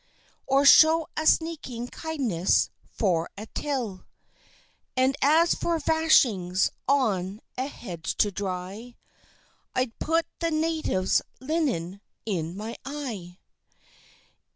Or show a sneaking Kindness for a Till; And as for Vashings, on a hedge to dry, I'd put the Natives' Linen in my Eye!